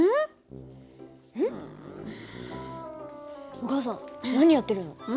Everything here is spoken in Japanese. お母さん何やってるの？